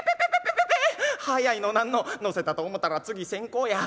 早いのなんの乗せたと思たら次線香や。